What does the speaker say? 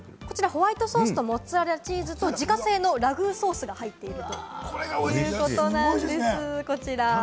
ホワイトソースとモッツァレラソースと自家製のラグーソースが入っています。